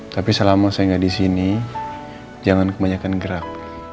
tapi selama saya nggak di sini jangan kebanyakan gerak